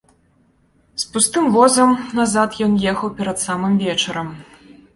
З пустым возам назад ён ехаў перад самым вечарам.